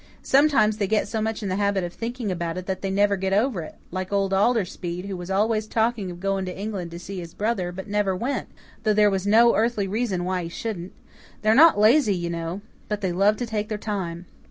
Sometimes they get so much in the habit of thinking about it that they never get over it like old Alder Speed, who was always talking of going to England to see his brother, but never went, though there was no earthly reason why he shouldn't. They're not lazy, you know, but they love to take their time."